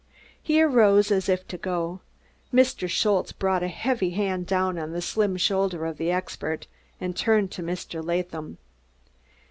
He arose as if to go. Mr. Schultze brought a heavy hand down on the slim shoulder of the expert, and turned to Mr. Latham.